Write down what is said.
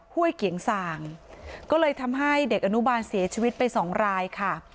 ้วยเกียงสางก็เลยทำให้เด็กอนุบาลเสียชีวิตไปสองรายค่ะ